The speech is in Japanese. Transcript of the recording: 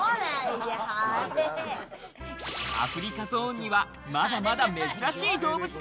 アフリカゾーンには、まだまだ珍しい動物が。